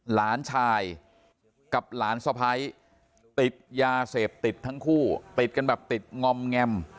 หลานชายกับหลานสะพ้ายติดยาเสพติดทั้งคู่ติดกันแบบติดงอมแงม